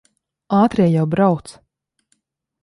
Ātrie jau brauc.